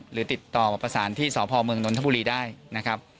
หรือติดต่อประสานที่สพเมืองนนทบุรีได้นะครับ